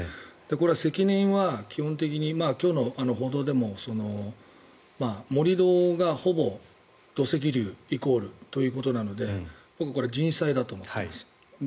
責任は基本的に今日の報道でも盛り土がほぼ土石流イコールということなので僕は人災だと思っています。